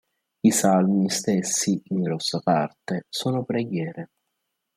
I "Salmi" stessi, in grossa parte, sono preghiere.